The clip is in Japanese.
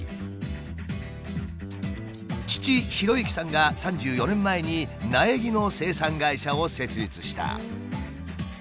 父浩行さんが３４年前に苗木の生産会社を設立した。